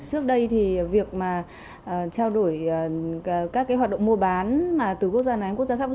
trước đây thì việc trao đổi các hoạt động mua bán từ quốc gia này đến quốc gia khác